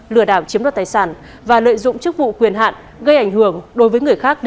lừa đảo chiếm đoạt tài sản và lợi dụng chức vụ quyền hạn gây ảnh hưởng đối với người khác để trục lợi